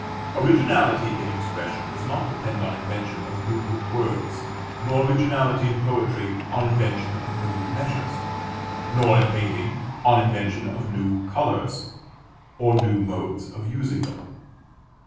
Originality in expression does not depend on invention of new words; nor originality in poetry on invention of new measures; nor, in painting, on invention of new colors, or new modes of using them.